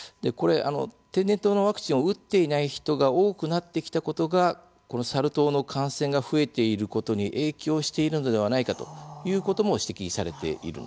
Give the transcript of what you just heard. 天然痘のワクチンを打っていない人が多くなってきたことがサル痘の感染が増えていることに影響しているのではないかということも指摘されているんですね。